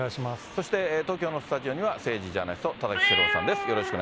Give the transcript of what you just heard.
そして、東京のスタジオには政治ジャーナリスト、田崎史郎さんです。